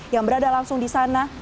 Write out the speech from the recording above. yang berada langsung di sana